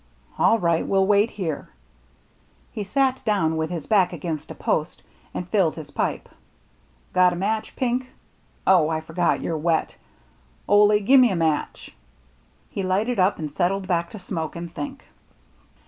"All right. We'll wait here." He sat down with his back against a post, and filled his pipe. " Got a match. Pink ? Oh, I for got, you're wet. Ole, give me a match." He lighted up and settled back to smoke and think.